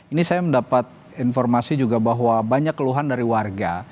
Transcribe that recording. ini saya mendapat informasi juga bahwa banyak keluhan dari warga